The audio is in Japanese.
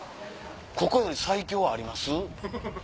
ここより最強あります？